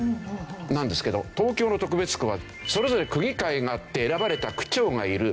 なんですけど東京の特別区はそれぞれ区議会があって選ばれた区長がいる。